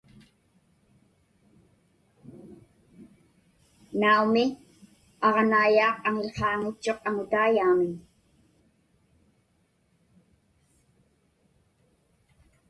Naumi, aġnaiyaaq aŋiłhaaŋitchuq aŋutaiyaamiñ.